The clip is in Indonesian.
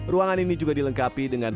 ruangan ini juga dilengkapi dengan